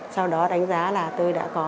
sau đó đánh giá là tôi đã có